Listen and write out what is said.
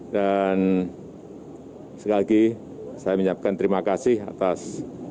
dan sekali lagi saya menyampaikan terima kasih atas